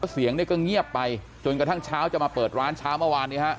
เสียงเนี่ยก็เงียบไปจนกระทั่งเช้าจะมาเปิดร้านเช้าเมื่อวานนี้ฮะ